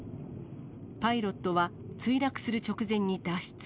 パイロットは墜落する直前に脱出。